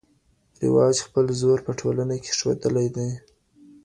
رواج خپل زور په ټولنه کي ښودلی دی.